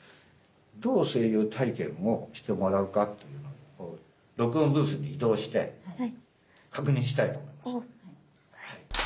どう声優体験をしてもらうかというのを録音ブースに移動して確認したいと思います。